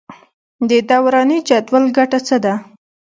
د دوراني جدول ګټه څه ده.